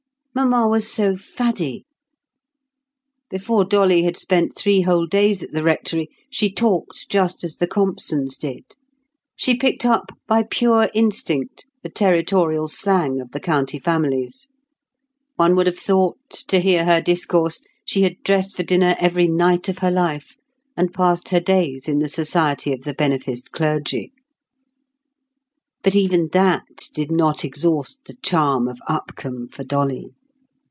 Mamma was so faddy! Before Dolly had spent three whole days at the rectory, she talked just as the Compsons did; she picked up by pure instinct the territorial slang of the county families. One would have thought, to hear her discourse, she had dressed for dinner every night of her life, and passed her days in the society of the beneficed clergy. But even that did not exhaust the charm of Upcombe for Dolly.